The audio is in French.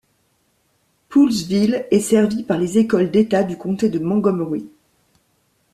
Poolesville est servie par les Écoles d'État du Comté De Montgomery.